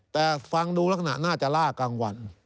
แต่ฟังดูแล้วขนาดน่าจะล่ากลางวัน